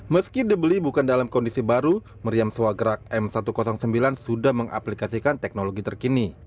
meski dibeli bukan dalam kondisi baru meriam swagrak m satu ratus sembilan sudah mengaplikasikan teknologi terkini